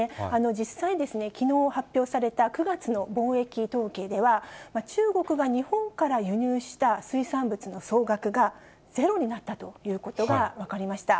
実際、きのう発表された９月の貿易統計では、中国が日本から輸入した水産物の総額がゼロになったということが分かりました。